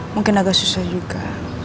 mungkin agak susah juga